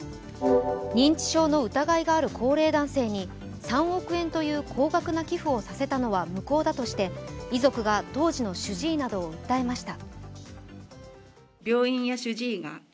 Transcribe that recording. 認知症の疑いがある高齢男性に３億円という高額な寄付をさせたのは無効だとして遺族が当時の主治医などを訴えました。